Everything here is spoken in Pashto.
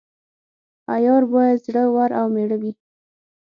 عیار باید زړه ور او میړه وي.